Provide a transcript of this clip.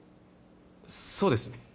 そうですね。